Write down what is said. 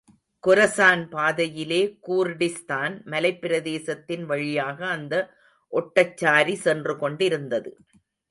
Khorasan பாதையிலே, கூர்டிஸ்தான் மலைப்பிரதேசத்தின் வழியாக அந்த ஒட்டச்சாரி சென்று கொண்டிருந்தது.